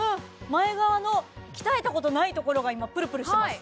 前側の鍛えたことないところが今ぷるぷるしてます